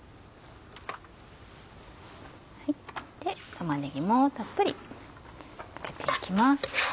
玉ねぎもたっぷりかけて行きます。